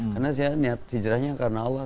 karena saya lihat hijrahnya karena allah